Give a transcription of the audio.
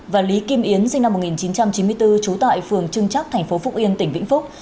và lý kim yến sinh năm một nghìn chín trăm chín mươi bốn trú tại phường trưng chắc thành phố phúc yên tỉnh vĩnh phúc